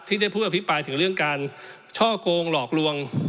ที่ได้ผู้อภิปรายถึงเรื่องการช่อกงหลอกลวง